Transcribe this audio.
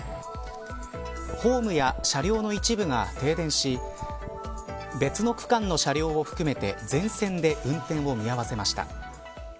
ホームや車両の一部が停電し別の区間の車両を含めて全線で運転を見合わせました。